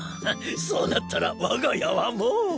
そうなったら我が家はもう。